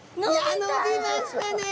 伸びましたね！